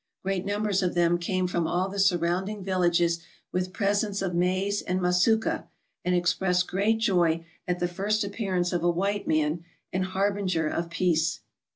Great numbers of them came from all the surrounding villages with presents of maize and masuka, and expressed great joy at the first appearance of AFRICA 391 a white man, and harbinger of peace.